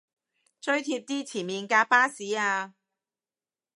追貼啲前面架巴士吖